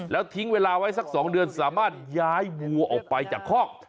แล้วทิ้งเวลาไว้สัก๒เดือนสามารถย้ายวัวออกไปจากคอก